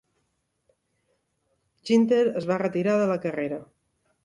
Ginther es va retirar de la carrera.